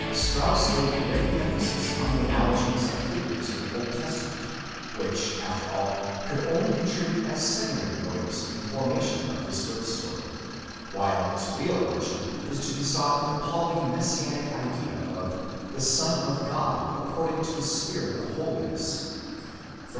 Strauss laid great emphasis on the analogies and figures of the Old Testament, which, after all, could only contribute as secondary motives in the formation of this birth story, while its real origin is to be sought in the Pauline Messi anic idea of ''the Son of God, according to the spirit of holiness" (Rom.